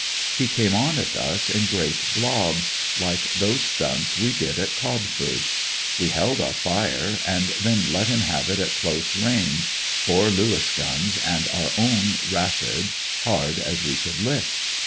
He came on at us in great blobs, like those stunts we did at Codford. We held our fire, and then let him have it at close range, four Lewis guns and our own rapid, hard as we could lick.